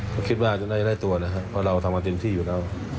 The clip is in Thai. ก็คิดว่าจะได้ตัวนะครับเพราะเราทำมาเต็มที่อยู่แล้ว